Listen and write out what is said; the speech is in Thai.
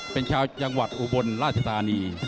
เป็นชาวจังหวัดอุบลราชธานี